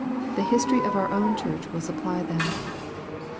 The history of our own church will supply them.